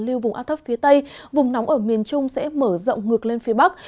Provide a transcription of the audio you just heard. và hoàn lưu vùng áo thấp phía tây vùng nóng ở miền trung sẽ mở rộng ngược lên phía bắc